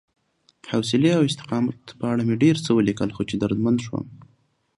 حوصلې او استقامت په اړه مې ډېر څه ولیکل، خو چې دردمن شوم